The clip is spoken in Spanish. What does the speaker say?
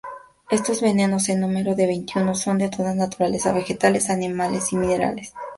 Estos venenos, en número de veintiuno, son de toda naturaleza, vegetales, animales y minerales.